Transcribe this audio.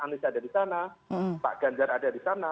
anies ada di sana pak ganjar ada di sana